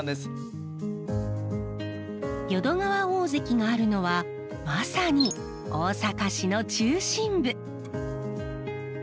淀川大堰があるのはまさに大阪市の中心部。